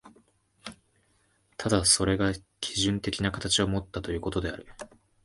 ただそれが基準的な形をもったということである。